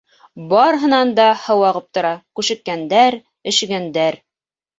Барыһынан да һыу ағып тора, күшеккәндәр, өшөгәндәр.